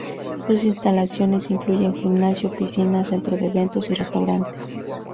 Sus instalaciones incluyen gimnasio, piscinas, centro de eventos y restaurante.